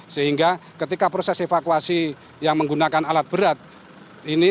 sehingga ketika proses evakuasi yang menggunakan alat berat ini